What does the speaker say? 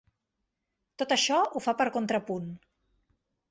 Tot això ho fa per contrapunt.